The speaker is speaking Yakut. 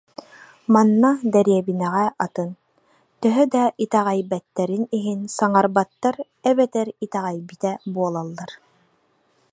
Манна дэриэбинэҕэ атын, төһө да итэҕэйбэттэрин иһин, саҥарбаттар эбэтэр итэҕэйбитэ буолаллар